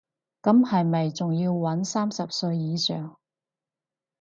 咁係咪仲要搵三十歲以上